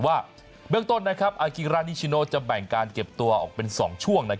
ว่าเบื้องต้นอากิรานิชิโนจะแบ่งการเก็บตัวออกเป็น๒ช่วง